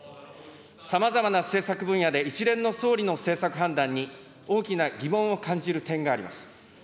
さまざまな政策分野で一連の総理の政策判断に大きな疑問を感じる点があります。